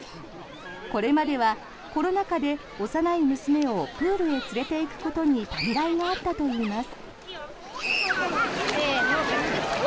これまではコロナ禍で幼い娘をプールに連れていくことにためらいがあったといいます。